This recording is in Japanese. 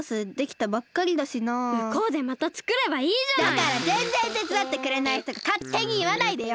だからぜんぜんてつだってくれないひとがかってにいわないでよ！